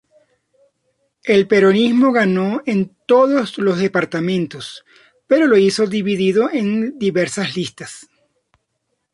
El peronismo ganó en todos los departamentos, pero lo hizo dividido en diversas listas.